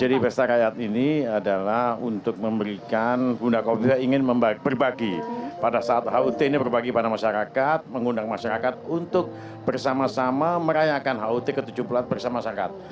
jadi pesta rakyat ini adalah untuk memberikan bunda kogja ingin berbagi pada saat hut ini berbagi kepada masyarakat mengundang masyarakat untuk bersama sama merayakan hut ke tujuh puluh empat bersama masyarakat